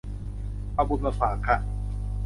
เอาบุญมาฝากค่ะ